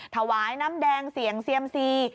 ถวายน้ำแดงเสี่ยงเซียมซี